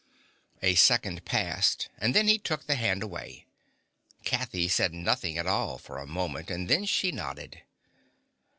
A second passed and then he took the hand away. Kathy said nothing at all for a moment, and then she nodded.